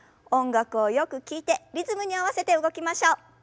音楽をよく聞いてリズムに合わせて動きましょう。